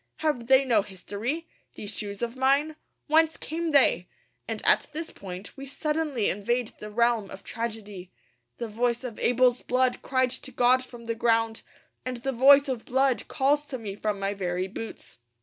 Have they no history, these shoes of mine? Whence came they? And at this point we suddenly invade the realm of tragedy. The voice of Abel's blood cried to God from the ground; and the voice of blood calls to me from my very boots.